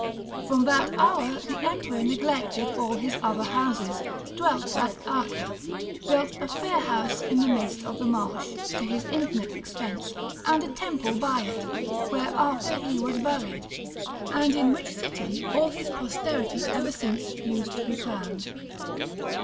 From that hour the emperor neglected all his other houses, dwelt at Ache, built a fair house in the midst of the marsh, to his infinite expense, and a temple by it, where after he was buried, and in which city all his posterity ever since use to be crowned.